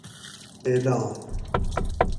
اعلان